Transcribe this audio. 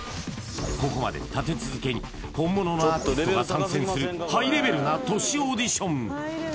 ここまで立て続けに本物のアーティストが参戦するハイレベルなＴｏｓｈｌオーディション